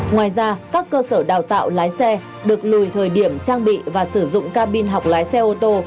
ngoài ra các cơ sở đào tạo lái xe được lùi thời điểm trang bị và sử dụng cabin học lái xe ô tô